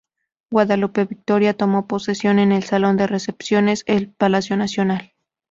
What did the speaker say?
Guadalupe Victoria tomó posesión en el "Salón de recepciones" de Palacio Nacional.